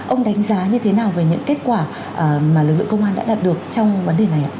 ông đánh giá như thế nào về những kết quả mà lực lượng công an đã đạt được trong vấn đề này ạ